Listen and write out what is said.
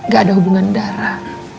gak ada hubungan darah